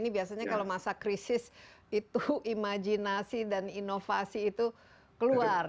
ini biasanya kalau masa krisis itu imajinasi dan inovasi itu keluar